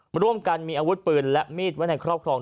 ร่วมกันมีอาวุธปืนและมีดไว้ในครอบครอง